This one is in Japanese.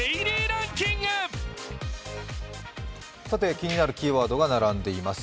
気になるキーワードが並んでいます。